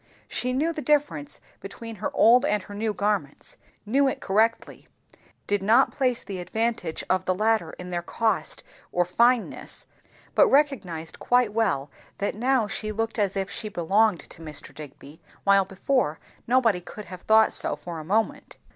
She knew the difference between her old and her new garments, knew it correctly; did not place the advantage of the latter in their colour or fineness; but recognized quite well that now she looked as if she belonged to Mr. Digby, while before, nobody could have thought so for a moment.